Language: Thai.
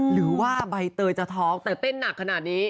หรือว่าใบเตยจะท้องแต่เต้นหนักขนาดนี้